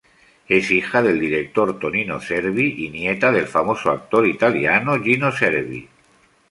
Es hija del director Tonino Cervi y nieta del famoso actor italiano Gino Cervi.